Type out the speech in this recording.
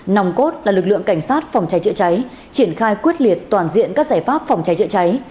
nòng cốt là lực lượng cảnh sát phòng cháy chữa cháy triển khai quyết liệt toàn diện các giải pháp phòng cháy chữa cháy